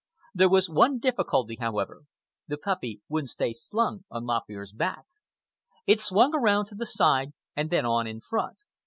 There was one difficulty, however. The puppy wouldn't stay slung on Lop Ear's back. It swung around to the side and then on in front.